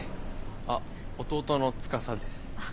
あ弟の司です。